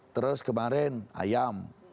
terus kemarin ayam